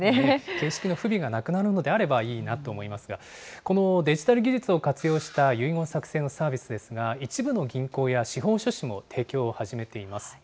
形式の不備がなくなるのであればいいなと思いますが、このデジタル技術を活用した遺言作成のサービスですが、一部の銀行や司法書士も提供を始めています。